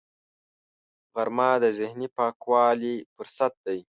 غرمه د ذهني پاکوالي فرصت دی